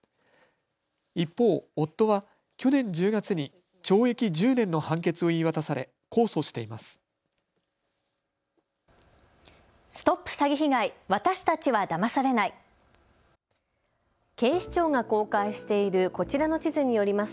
一方、夫は去年１０月に懲役１０年の判決を言い渡され控訴しています。